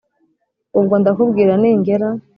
ubwo ndakubwira ningera